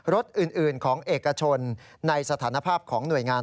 รถอื่นของเอกชนในสถานภาพของหน่วยงาน